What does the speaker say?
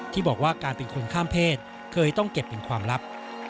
ที่บอกว่าการเป็นคนข้ามเพศเคยต้องเก็บเป็นความลับ